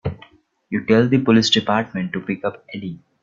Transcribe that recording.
You tell the police department to pick up Eddie.